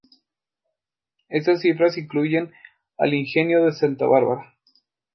Estas cifras incluyen al Ingenio Santa Bárbara.